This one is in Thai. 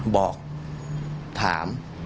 บอกถาม